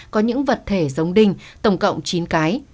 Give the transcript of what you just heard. có những vật thể giống đinh tổng cộng chín cái